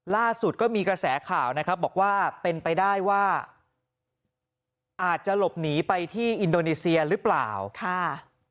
ล่าสุดก็มีกระแสข่าวนะครับบอกว่าเป็นไปได้ว่าอาจจะหลบหนีไปที่อินโดนีเซียหรือเปล่าค่ะ